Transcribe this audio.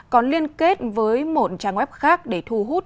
còn liên kết với một trang web khác để thu hút